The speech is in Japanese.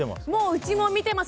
うちも見てます。